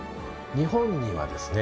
日本にはですね